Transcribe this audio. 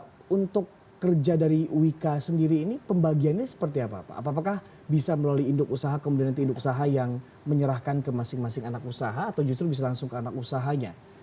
jadi untuk kerja dari wika sendiri ini pembagiannya seperti apa pak apakah bisa melalui induk usaha kemudian nanti induk usaha yang menyerahkan ke masing masing anak usaha atau justru bisa langsung ke anak usahanya